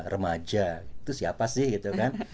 remaja itu siapa sih gitu kan